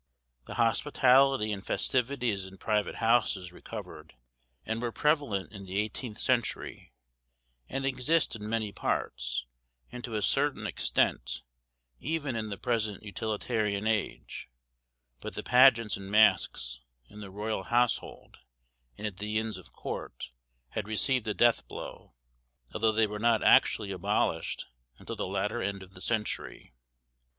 The hospitality and festivities in private houses recovered, and were prevalent in the eighteenth century, and exist in many parts, and to a certain extent, even in the present utilitarian age; but the pageants and masks, in the royal household, and at the Inns of Court, had received a death blow; although they were not actually abolished until the latter end of the century.